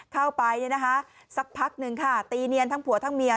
เข้าไปสักพักหนึ่งค่ะตีเนียนทั้งผัวทั้งเมีย